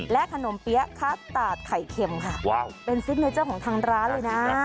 และขนมเปี้ยคาตาดไข่เค็มค่ะเป็นซิกเนเจอร์ของทางร้านเลยนะ